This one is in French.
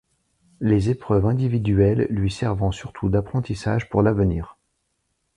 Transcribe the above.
Les épreuves individuelles lui servant surtout d'apprentissage pour l'avenir.